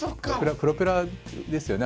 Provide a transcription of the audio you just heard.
プロペラですよね